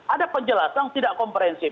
ada penjelasan tidak komprensif